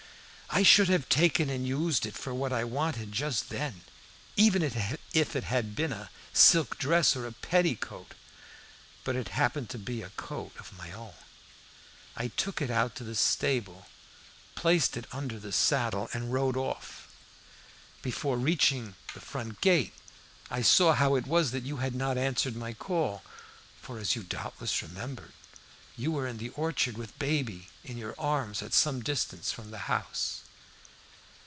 I should have taken and used it for what I wanted just then, even if it had been a silk dress or petticoat; but it happened to be a coat of my own. I took it out to the stable, placed it under the saddle, and rode off. Before reaching the front gate I saw how it was that you had not answered my call, for, as you doubtless remember, you were out in the orchard with baby in your arms, at some distance from the house.